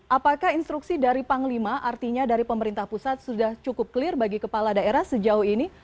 apakah instruksi dari panglima artinya dari pemerintah pusat sudah cukup clear bagi kepala daerah sejauh ini